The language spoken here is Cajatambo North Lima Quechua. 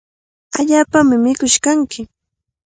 Allaapami mikush kanki.